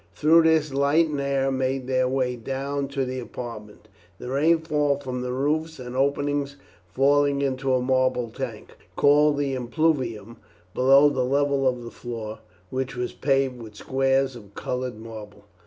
Through this light and air made their way down to the apartment, the rainfall from the roofs and opening falling into a marble tank, called the impluvium, below the level of the floor, which was paved with squares of coloured marble.